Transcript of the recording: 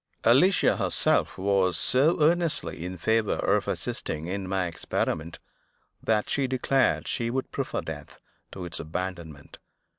Alicia herself was so earnestly in favor of assisting in my experiment, that she declared she would prefer death to its abandonment.